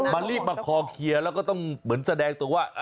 มันเรียกมาคอเคียแล้วก็เหมือนแสดงตกว่า